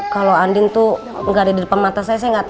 kalau andin tuh gak ada di depan mata saya